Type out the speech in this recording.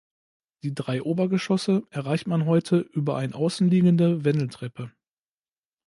Die drei Obergeschosse erreicht man heute über ein außenliegende Wendeltreppe.